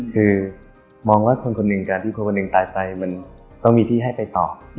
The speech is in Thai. คือมองว่าคนคนหนึ่งการที่คนคนหนึ่งตายไปมันต้องมีที่ให้ไปต่อ